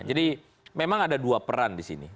jadi memang ada dua peran di sini